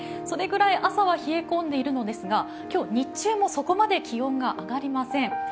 それぐらい朝は冷え込んでいるんですが今日、日中もそこまで気温が上がりません。